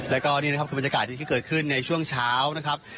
แล้วก็นี่นะครับคือบรรยากาศดีที่เกิดขึ้นในช่วงเช้านะครับ